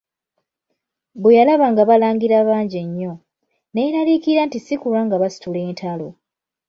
Bwe yalaba ng'abalangira bangi nnyo, ne yeeraliikirira nti si kulwa nga basitula entalo.